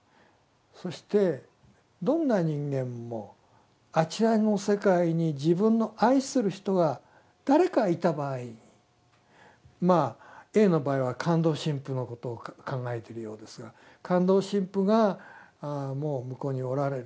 そしてどんな人間もあちらの世界に自分の愛する人が誰かいた場合まあＡの場合はカンドウ神父のことを考えてるようですがカンドウ神父がもう向こうにおられると。